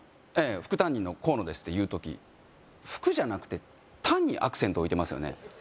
副担任のコウノですって言う時「副」じゃなくて「担」にアクセント置いてますよね